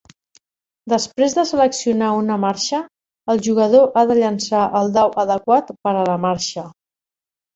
Després de seleccionar una marxa, el jugador ha de llançar el dau adequat per a la marxa.